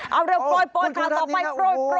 เอาเร็วปล่อยข่าวต่อไปโปรย